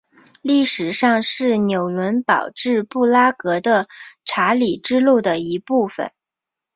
历史上是纽伦堡至布拉格的查理之路的一部份。